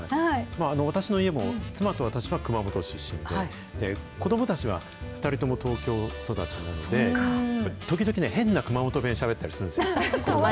私の家も、妻と私は熊本出身で、子どもたちは２人とも東京育ちなので、時々ね、変な熊本弁しゃべったりするんですよ。